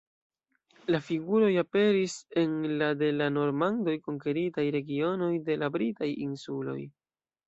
La figuroj aperis en la de la Normanoj konkeritaj regionoj de la Britaj Insuloj.